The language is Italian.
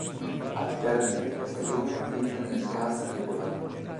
Al termine della stagione, entra nel cast regular.